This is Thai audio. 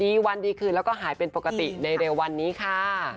ดีวันดีคืนแล้วก็หายเป็นปกติในเร็ววันนี้ค่ะ